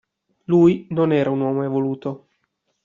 Lui non era un uomo evoluto.